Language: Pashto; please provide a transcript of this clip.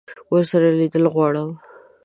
ورسره لیدل غواړم.